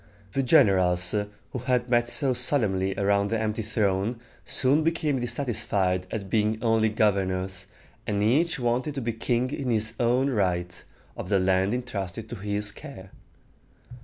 The generals who had met so solemnly around the empty throne soon became dissatisfied at being only governors, and each wanted to be king in his own right, of the land intrusted to his care.